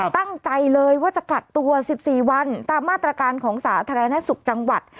ตั้งใจเลยว่าจะกักตัว๑๔วันตามมาตรการของสาธารณสุขจังหวัด